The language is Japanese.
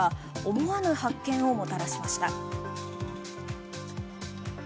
思わぬ発見をもたらしました。